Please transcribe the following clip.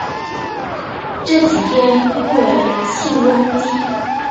这几天因为气温低